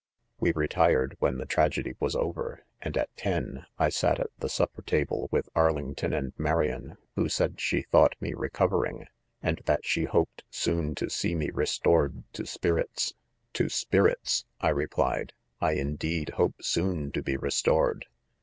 4 ^V"e retired, when. the tragedy was over, and at ten, 1, sat at the supper table, with Ar lington and Marian, who said she thought me f ecovering, and that she hoped soon to see me lestored to spirits. /2b spirits, I replied, I in deed, hope soon to, be restored